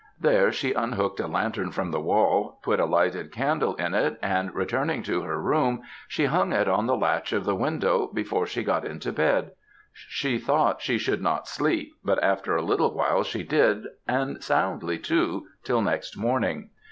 There she unhooked a lantern from the wall, put a lighted candle in it, and returning to her room, she hung it on the latch of the window before she got into bed. She thought she should not sleep, but after a little while she did, and soundly too, till next morning.